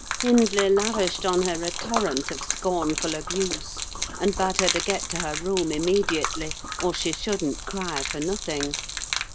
Hindley lavished on her a torrent of scornful abuse, and bade her get to her room immediately, or she shouldn't cry for nothing!